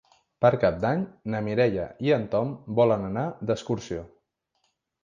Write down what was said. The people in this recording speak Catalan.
Per Cap d'Any na Mireia i en Tom volen anar d'excursió.